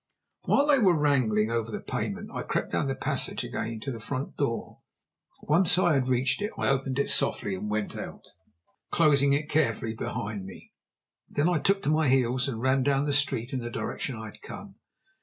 While they were wrangling over the payment I crept down the passage again to the front door. Once I had reached it, I opened it softly and went out, closing it carefully behind me. Then I took to my heels and ran down the street in the direction I had come.